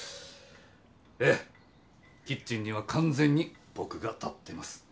ええキッチンには完全に僕が立ってますうん。